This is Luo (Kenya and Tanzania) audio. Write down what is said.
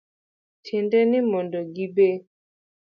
Tiende ni, mondo gibe